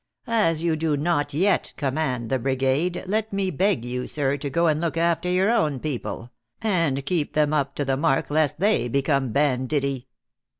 " As you do not yet command the brigade, let me beg you, sir, to go and look after your own people, and keep them up to the mark, lest they become banditti